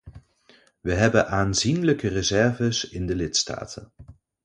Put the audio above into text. We hebben aanzienlijke reserves in de lidstaten.